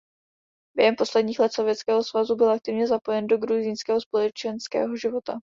Během posledních let Sovětského svazu byl aktivně zapojen do gruzínského společenského života.